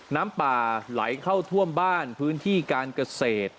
น้ำป่าไหลเข้าท่วมบ้านพื้นที่การเกษตร